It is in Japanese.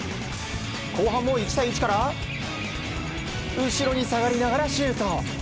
後半も１対１から後ろに下がりながらシュート！